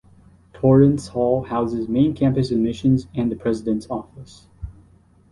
Torrance Hall houses main campus admissions and the president's office.